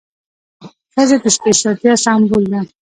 ښځه د سپېڅلتیا سمبول ده.